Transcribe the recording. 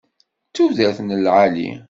D tudert n lɛali.